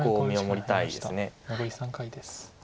残り３回です。